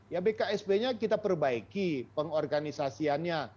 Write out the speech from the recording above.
ya bksb nya kita perbaiki pengorganisasiannya